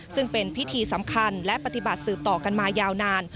ซึ่งเป็นพิธีสำคัญและปฏิบัติสืบต่อกันมายาวนาน